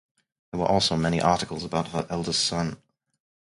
There were also many articles about her eldest son.